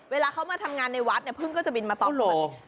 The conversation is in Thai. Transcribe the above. เวลาเขามาทำงานในวัดเนี่ยพึ่งก็จะบินมาตลอด